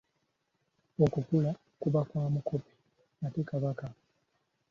Okukula kuba kwa mukopi, ate Kabaka?